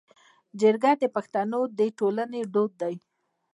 جرګه د پښتنو د ټولنې دود دی